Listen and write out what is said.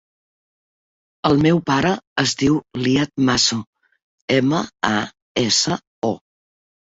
El meu pare es diu Iyad Maso: ema, a, essa, o.